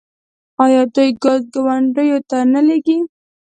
آیا دوی ګاز ګاونډیو ته نه لیږي؟